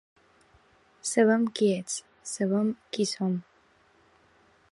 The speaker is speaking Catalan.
Sabem qui ets, sabem qui som.